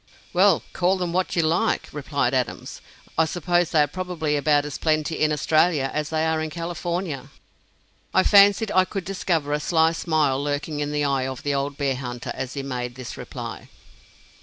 "Well, call them what you like," replied Adams; "I suppose they are probably about as plenty in Australia as they are in California." I fancied I could discover a sly smile lurking in the eye of the old bear hunter as he made this reply.